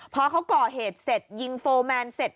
พอเขาก่อเหตุเสร็จยิงโฟร์แมนเสร็จ